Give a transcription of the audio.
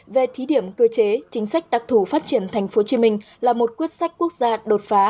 về thí điểm cơ chế chính sách đặc thù phát triển tp hcm là một quyết sách quốc gia đột phá